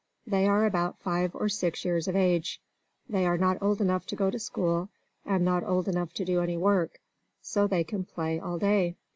They are about five or six years of age. They are not old enough to go to school, and not old enough to do any work; so they can play all day.